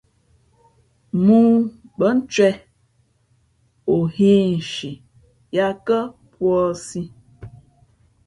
Mōō bά ncwěh, o hᾱ ǐ nshi yāt kά puǎsī.